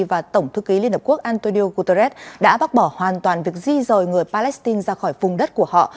và tổng thư ký liên hợp quốc antonio guterres đã bác bỏ hoàn toàn việc di rời người palestine ra khỏi vùng đất của họ